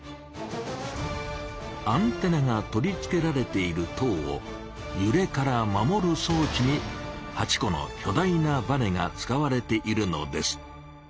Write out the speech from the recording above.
アンテナが取り付けられている塔をゆれから守るそう置にが使われているのです。